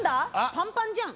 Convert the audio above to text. パンパンじゃん。